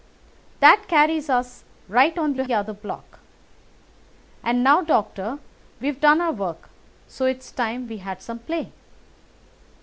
That carries us right on to the other block. And now, Doctor, we've done our work, so it's time we had some play.